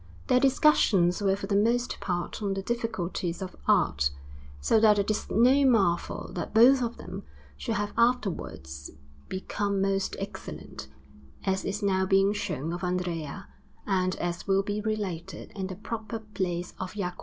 Their discussions were for the most part on the difficulties of art, so that it is no marvel that both of them should have afterwards become most excellent, as is now being shown of Andrea and as will be related in the proper place of Jacopo.